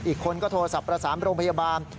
อีกคนก็โทรศัพท์ประสานโรงพยาบาล